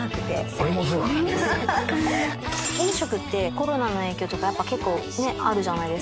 飲食ってコロナの影響とかやっぱ結構あるじゃないですか。